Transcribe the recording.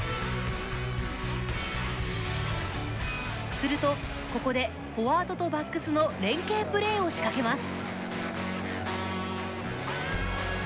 すると、ここでフォワードとバックスの連携プレーを仕掛けます。